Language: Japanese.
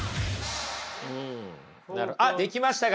あできましたか？